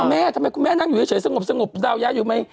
แม่ทำไมคุณแม่นั่งอยู่เฉยสงบดาวย้ายอยู่ไหม